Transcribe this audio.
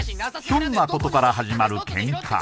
ひょんなことから始まるケンカ